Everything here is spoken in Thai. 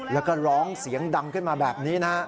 แล้วก็ร้องเสียงดังขึ้นมาแบบนี้นะฮะ